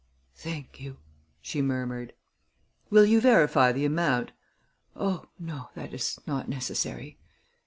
"Thank you," she murmured. "Will you verify the amount?" "Oh, no; that is not necessary."